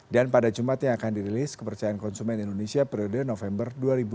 dan pada jumat yang akan dirilis kepercayaan konsumen indonesia periode november dua ribu dua puluh tiga